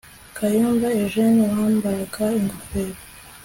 kayumba eugene wambaraga ingofero